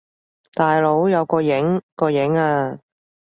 大佬，有個影！個影呀！